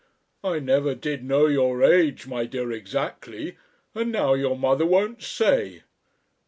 I never did know your age, my dear, exactly, and now your mother won't say.